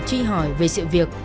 truy hỏi về sự việc